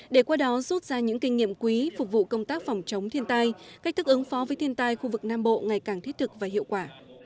để qua đó rút ra những kinh nghiệm quý phục vụ công tác phòng chống thiên tai cách thức ứng phó với thiên tai khu vực nam bộ ngày càng thiết thực và hiệu quả